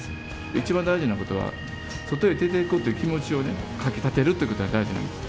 一番大事なことは、外へ出ていくという気持ちをね、かき立てるってことが大事なんです。